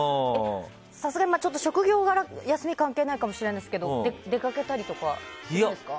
さすがに職業柄休み関係ないかもしれないんですけど出かけたりとかはしますか？